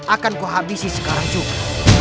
akan kuhabisi sekarang juga